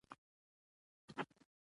شامل شوي دي